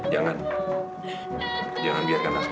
jangan jangan biarkan asma masuk